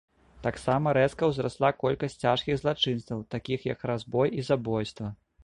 Таксама рэзка ўзрасла колькасць цяжкіх злачынстваў, такіх як разбой і забойства.